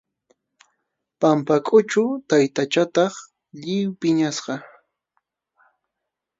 Pampakʼuchu taytachataq lliw phiñasqa.